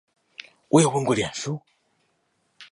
我有問過臉書